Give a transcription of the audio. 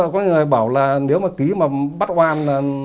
có người bảo là nếu mà ký mà bắt oan là